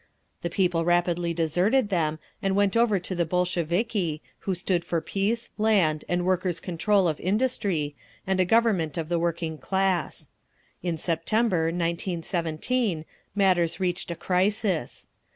The people rapidly deserted them, and went over to the Bolsheviki, who stood for Peace, Land, and Workers' Control of Industry, and a Government of the working class. In September, 1917, matters reached a crisis.